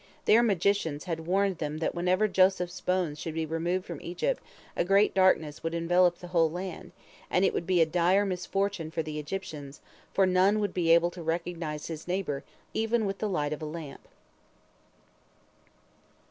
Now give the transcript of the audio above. Their magicians had warned them that whenever Joseph's bones should be removed from Egypt, a great darkness would envelop the whole land, and it would be a dire misfortune for the Egyptians, for none would be able to recognize his neighbor even with the light of a lamp.